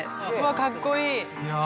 かっこいい。